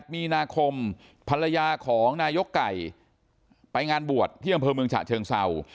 มีนาคมภรรยาของนายกไก่ไปงานบวชที่อำเภอเมืองฉะเชิงเศร้า